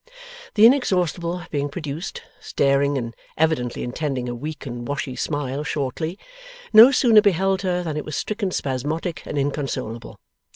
The Inexhaustible being produced, staring, and evidently intending a weak and washy smile shortly, no sooner beheld her, than it was stricken spasmodic and inconsolable.